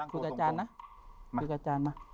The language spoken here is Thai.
อาจารย์นะคุยกับอาจารย์มา